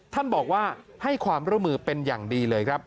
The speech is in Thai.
ท่านบอกว่าให้ความร่วมมือเป็นอย่างดีเลยครับ